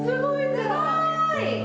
すごーい。